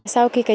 sau khi các em